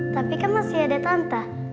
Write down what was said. tapi kan masih ada tante